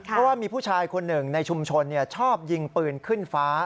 เพราะว่ามีผู้ชายคนหนึ่งในชุมชนชอบยิงปืนขึ้นฟ้า